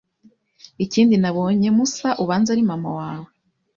Ikindi nabonye musa ubanza ari mama wawe